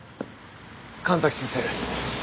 神崎先生